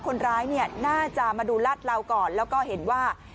คนร้ายน่าจะมาดูรัฐเราก่อนแล้วก็เห็นว่า